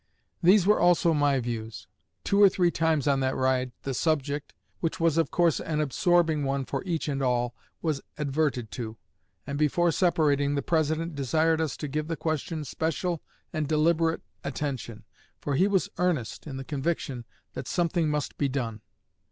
These were also my views. Two or three times on that ride the subject, which was of course an absorbing one for each and all, was adverted to; and before separating, the President desired us to give the question special and deliberate attention, for he was earnest in the conviction that something must be done.